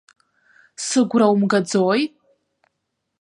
Сыгәра умгаӡои?!